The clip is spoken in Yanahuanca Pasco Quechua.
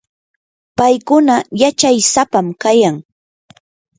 paykuna yachay sapam kayan.